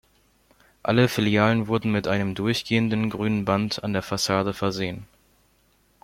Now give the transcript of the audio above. Alle Filialen wurden mit einem durchgehenden grünen Band an der Fassade versehen.